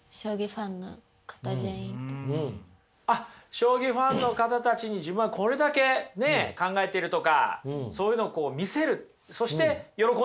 将棋ファンの方たちに自分はこれだけね考えているとかそういうのを見せるそして喜んでもらうっていうことですか？